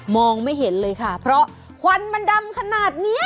ไม่เห็นเลยค่ะเพราะควันมันดำขนาดเนี้ย